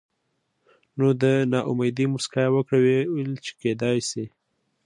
نو د نا امېدۍ مسکا يې وکړه وې چې کېدے شي